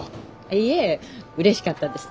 いえうれしかったです。